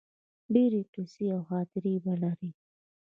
ډیرې قیصې او خاطرې به لرې